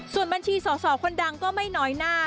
ส่วนบัญชีสอสอคนดังก็ไม่น้อยหน้า